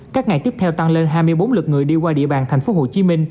các ngày tiếp theo tăng lên hai mươi bốn lượt người đi qua địa bàn tp hcm